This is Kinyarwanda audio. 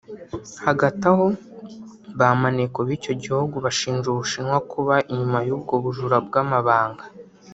Hagati aho ba maneko b’icyo gihugu bashinja u Bushinwa kuba inyuma y’ubwo bujura bw’amabanga